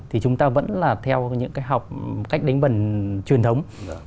thì chúng ta vẫn là theo những cái học cách đánh bần truyền thống